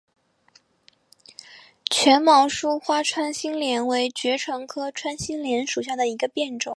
腺毛疏花穿心莲为爵床科穿心莲属下的一个变种。